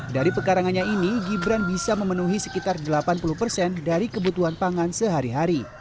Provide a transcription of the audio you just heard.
dari pekarangannya ini gibran bisa memenuhi sekitar delapan puluh persen dari kebutuhan pangan sehari hari